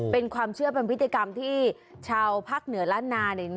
เป็นความเชื่อเป็นพฤติกรรมที่ชาวภาคเหนือล้านนาเนี่ย